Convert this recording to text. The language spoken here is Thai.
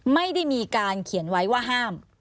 ไม่ได้มีการเขียนไว้ว่าห้าม